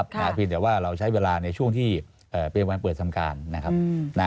เพียงแต่ว่าเราใช้เวลาในช่วงที่เป็นวันเปิดทำการนะครับ